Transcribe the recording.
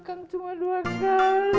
kan cuma dua kali